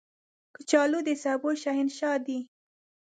کچالو د سبو شهنشاه دی